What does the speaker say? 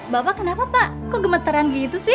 bapak kenapa pak kok gemeteran gitu sih